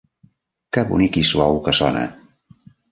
Què bonic i suau que sona!